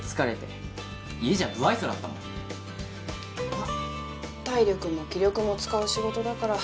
まあ体力も気力も使う仕事だから。